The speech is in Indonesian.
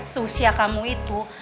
seusia kamu itu